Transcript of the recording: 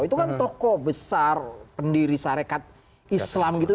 itu kan toko besar pendiri syarikat islam gitu